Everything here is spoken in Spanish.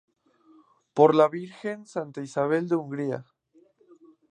Por la virgen Santa Isabel de Hungría.